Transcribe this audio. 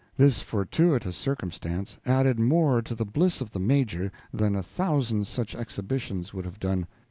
This fortuitous circumstances added more the bliss of the Major than a thousand such exhibitions would have done.